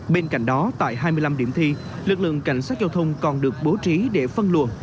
bên cạnh đó tại hai mươi năm điểm thi lực lượng cảnh sát giao thông còn được bố trí để phân luồn